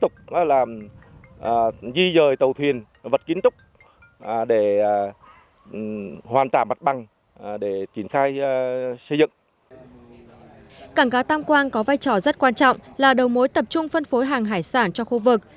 cảng cá tam quang có vai trò rất quan trọng là đầu mối tập trung phân phối hàng hải sản cho khu vực